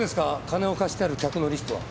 金を貸してある客のリストは。